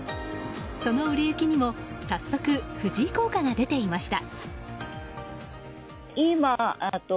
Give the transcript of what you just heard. その売れ行きにも早速藤井効果が出ていました。